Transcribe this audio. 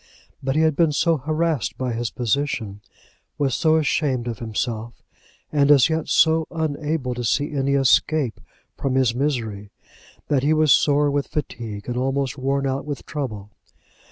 But he had been so harassed by his position, was so ashamed of himself, and as yet so unable to see any escape from his misery, that he was sore with fatigue and almost worn out with trouble.